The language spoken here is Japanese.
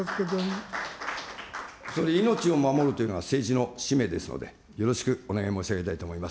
総理、命を守るというのは政治の使命ですので、よろしくお願い申し上げたいと思います。